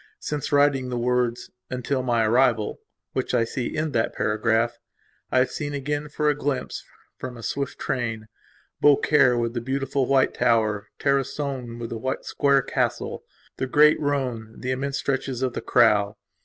Since writing the words "until my arrival", which I see end that paragraph, I have seen again for a glimpse, from a swift train, Beaucaire with the beautiful white tower, Tarascon with the square castle, the great Rhone, the immense stretches of the Crau.